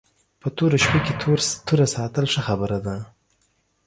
په توره شپه کې توره ساتل ښه خبره ده